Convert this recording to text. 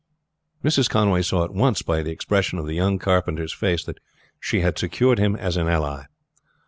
Mrs. Conway saw at once by the expression of the young carpenter's face that she had secured him as an ally.